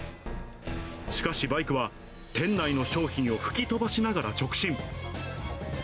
しかし、バイクは店内の商品を吹き飛ばしながら直進。